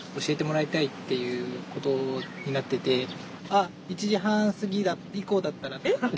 あっ１時半過ぎ以降だったら。